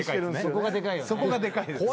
そこがでかいです。